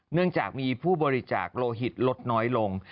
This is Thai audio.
เนื่องจากมีผู้บริจาคโลหิตลดน้อยลง